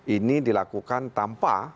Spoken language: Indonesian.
ini dilakukan tanpa